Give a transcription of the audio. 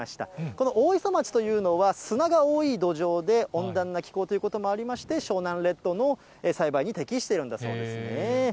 この大磯町というのは、砂が多い土壌で、温暖な気候ということもありまして、湘南レッドの栽培に適しているんだそうですね。